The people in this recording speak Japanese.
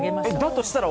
としたら、